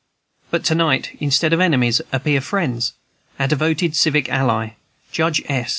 But to night, instead of enemies, appear friends, our devoted civic ally, Judge S.